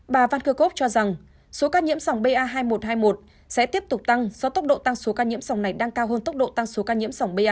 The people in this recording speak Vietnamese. bà vankykov cho rằng số ca nhiễm dòng ba một trăm hai mươi một sẽ tiếp tục tăng do tốc độ tăng số ca nhiễm dòng này đang cao hơn tốc độ tăng số ca nhiễm dòng ba hai